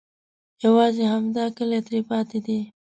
یوازې همدا کلی ترې پاتې دی.